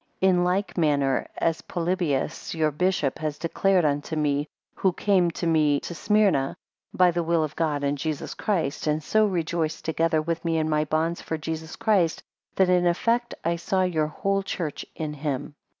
3 In like manner as Polybius your bishop has declared unto me, who came to me to Smyrna, by the will of God and Jesus Christ, and so rejoiced together with me in my bonds for Jesus Christ, that in effect I saw your whole church in him.